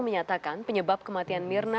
menyatakan penyebab kematian mirna